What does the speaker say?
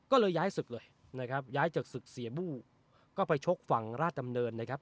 ก็เลยย้ายศึกเลยนะครับย้ายจากศึกเสียบู้ก็ไปชกฝั่งราชดำเนินนะครับ